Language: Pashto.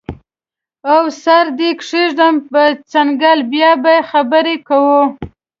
او سر دې کیږدم په څنګل بیا به خبرې کوو